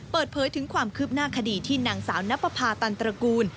เปิดเผยถึงความคืบหน้าคดีที่นางสาวนับประพาตันตระกูล